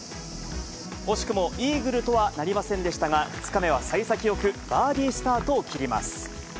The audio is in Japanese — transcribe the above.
惜しくもイーグルとはなりませんでしたが、２日目はさい先よくバーディースタートを切ります。